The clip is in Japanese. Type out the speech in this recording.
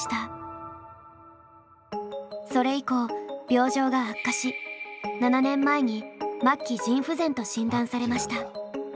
それ以降病状が悪化し７年前に末期腎不全と診断されました。